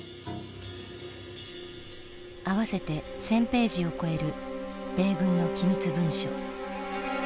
合わせて１，０００ページを超える米軍の機密文書。